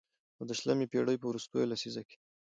او د شلمې پېړۍ په وروستۍ لسيزه کې